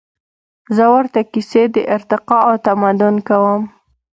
زهٔ ورته کیسې د ارتقا او تمدن کوم